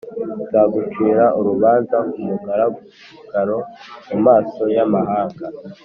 nzagucira urubanza ku mugaragaro mu maso y’amahanga